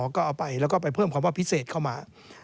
ก็เอาไปแล้วก็ไปเพิ่มคำว่าพิเศษเข้ามา